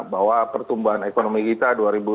bahwa pertumbuhan ekonomi kita